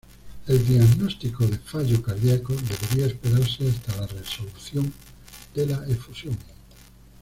El diagnóstico de fallo cardíaco, debería esperarse hasta la resolución de la efusión.